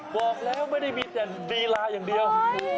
บอกแล้วไม่ได้มีแต่ลีลาอย่างเดียว